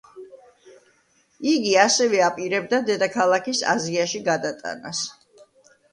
იგი ასევე აპირებდა დედაქალაქის აზიაში გადატანას.